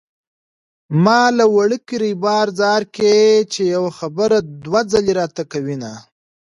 ما له وړوکي ريبار ځار کړې چې يوه خبره دوه ځلې راته کوينه